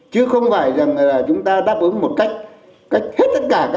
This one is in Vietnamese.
chứ không phải là chúng ta đáp ứng một cách hết tất cả